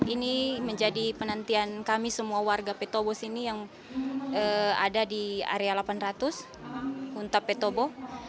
ini menjadi penantian kami semua warga petobo sini yang ada di area delapan ratus unta petobo